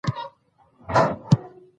چې خلک ترې پند واخلي.